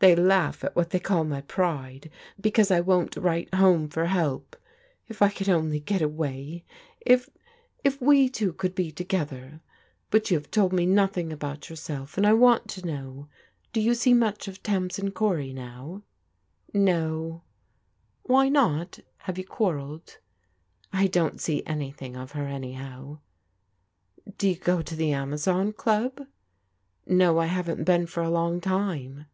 They laugh at what they call my pride because I won't write home for help. If I could only get away! If — if we two eould be together ! But you \iave to\A. xafc tnk&^cw^ 308 PBODIGAL DAU6HTEBS about yourself, and I want to know. Do you see nmdi of Tamsin Cory now ?"" No." " Why not ? Have you quarrelled ?"" I don't see anything of her, anyhow/' •* Do you go to the Amazon Qub? "*' No, I haven't been for a long time."